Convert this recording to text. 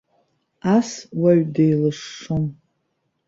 Ас уаҩ деилышшом.